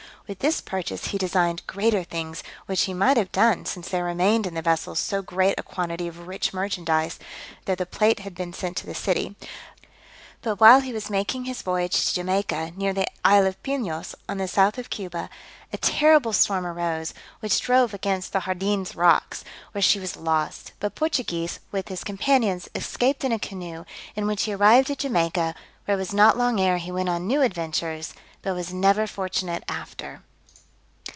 With this purchase he designed greater things, which he might have done, since there remained in the vessel so great a quantity of rich merchandise, though the plate had been sent to the city: but while he was making his voyage to Jamaica, near the isle of Pinos, on the south of Cuba, a terrible storm arose, which drove against the Jardines rocks, where she was lost; but Portugues, with his companions, escaped in a canoe, in which he arrived at Jamaica, where it was not long ere he went on new adventures, but was never fortunate after.